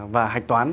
và hạch toán